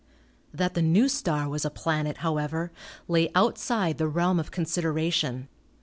That the new star was a planet, however, lay outside the realm of consideration.